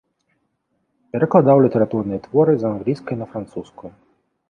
Перакладаў літаратурныя творы з англійскай на французскую.